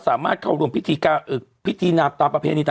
สามารถเขาร่วมพิธีกาอึกพิธีนาตราประเภณี